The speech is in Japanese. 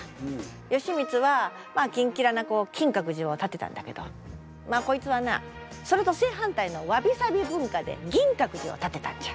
義満はキンキラな金閣寺を建てたんだけどこいつはなそれと正反対のわびさび文化で銀閣寺を建てたんじゃ。